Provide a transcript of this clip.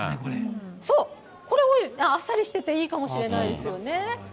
これ、あっさりしてていいかもしれないですよね。